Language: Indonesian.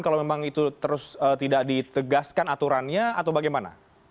kalau memang itu terus tidak ditegaskan aturannya atau bagaimana